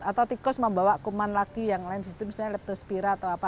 atau tikus membawa kuman lagi yang lain disitu misalnya leptospira atau apa